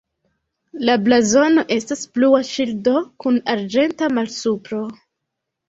La blazono estas blua ŝildo kun arĝenta malsupro.